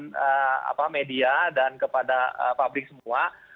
teman teman media dan kepada pabrik semua